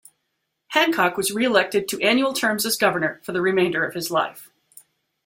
Hancock was reelected to annual terms as governor for the remainder of his life.